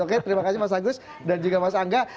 oke terima kasih mas agus dan juga mas angga